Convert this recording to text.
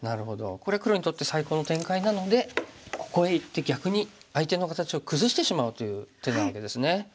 これ黒にとって最高の展開なのでここへいって逆に相手の形を崩してしまうという手なわけですね。